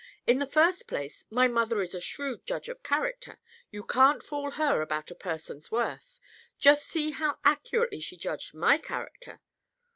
In the first place, my mother is a shrewd judge of character. You can't fool her about a person's worth; just see how accurately she judged my character!